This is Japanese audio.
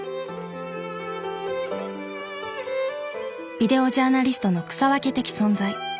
ビデオジャーナリストの草分け的存在。